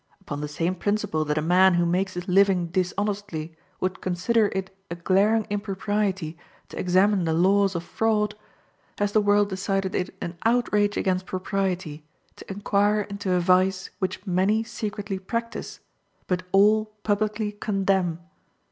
Upon the same principle that a man who makes his living dishonestly would consider it a glaring impropriety to examine the laws of fraud, has the world decided it an outrage against propriety to inquire into a vice which many secretly practice, but all publicly condemn.